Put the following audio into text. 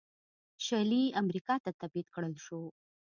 شلي امریکا ته تبعید کړل شول.